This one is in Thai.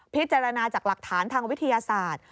พิจารณาจากหลักฐานทางวิทยาศาสตร์